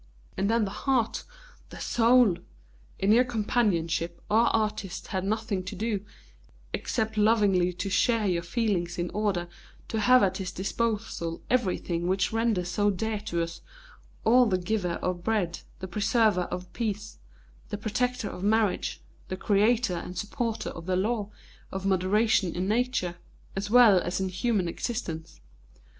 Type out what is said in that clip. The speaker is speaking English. And then the heart, the soul! In your companionship our artist had nothing to do except lovingly to share your feelings in order to have at his disposal everything which renders so dear to us all the giver of bread, the preserver of peace, the protector of marriage, the creator and supporter of the law of moderation in Nature, as well as in human existence.